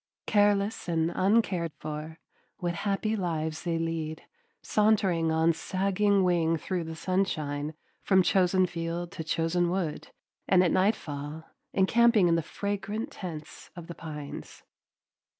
Careless and uncared for, what happy lives they lead, sauntering on sagging wing through the sunshine from chosen field to chosen wood, and at nightfall encamping in the fragrant tents of the pines.